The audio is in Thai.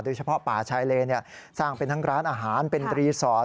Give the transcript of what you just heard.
โดยเฉพาะป่าชายเลสร้างเป็นทั้งร้านอาหารเป็นรีสอร์ท